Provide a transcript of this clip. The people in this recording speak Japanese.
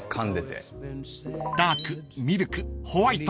［ダークミルクホワイト］